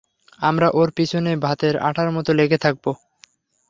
আমরা ওর পিছনে ভাতের আঠার মত লেগে থাকবো।